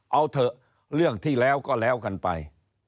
เอาเถอะเรื่องที่แล้วก็แล้วกันไป